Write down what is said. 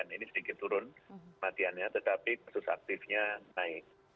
ini sedikit turun kematiannya tetapi kasus aktifnya naik